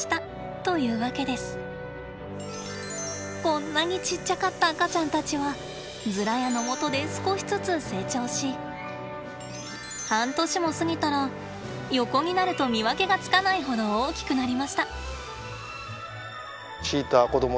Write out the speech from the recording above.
こんなにちっちゃかった赤ちゃんたちはズラヤのもとで少しずつ成長し半年も過ぎたら横になると見分けがつかないほど大きくなりました。